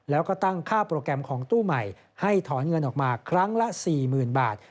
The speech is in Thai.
แล้วก็ตั้งค่าโปรแกรมของตู้ใหม่ให้ถอนเงินออกมาครั้งละ๔๐๐๐บาท